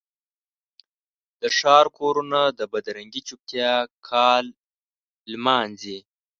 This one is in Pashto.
د ښار کورونه د بدرنګې چوپتیا کال نمانځي